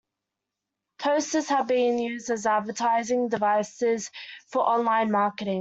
Toasters have been used as advertising devices for online marketing.